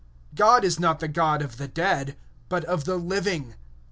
God is not the God of the dead, but of the living.